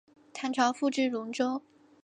唐朝复置龙州。